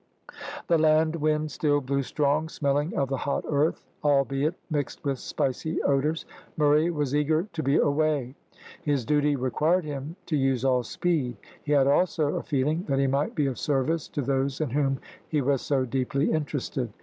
The land wind still blew strong, smelling of the hot earth, albeit mixed with spicy odours. Murray was eager to be away. His duty required him to use all speed. He had also a feeling that he might be of service to those in whom he was so deeply interested.